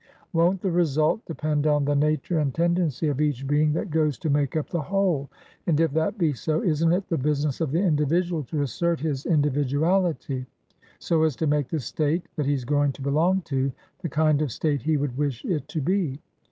Won't the result depend on the nature and tendency of each being that goes to make up the whole? And, if that be so, isn't it the business of the individual to assert his individuality, so as to make the State that he's going to belong to the kind of State he would wish it to be?